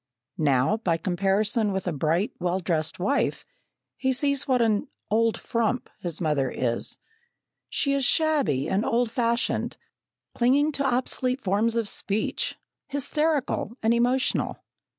Now, by comparison with a bright, well dressed wife, he sees what an "old frump" his mother is. She is shabby and old fashioned, clinging to obsolete forms of speech, hysterical and emotional.